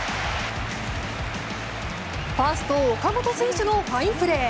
ファースト、岡本選手のファインプレー。